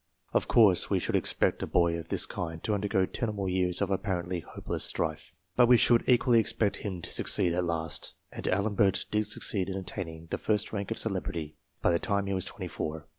Of course, we should expect a boy of this kind, to undergo ten or more years of apparently hopeless strife, but we should equally expect him to succeed at last ; and D'Alembert did succeed in attaining the first rank of celebrity, by the time he was twenty four.